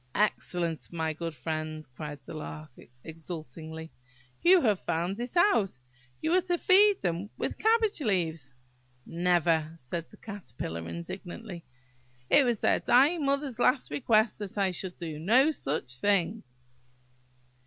"Excellent! my good friend," cried the Lark exultingly; "you have found it out. You are to feed them with cabbage leaves." "Never! " said the Caterpillar indignantly. "It was their dying mother's last request that I should do no such thing."